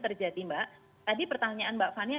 terjadi mbak tadi pertanyaan mbak fania